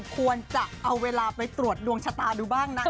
ควรจะเอาเวลาไปตรวจดวงชะตาดูบ้างนะคะ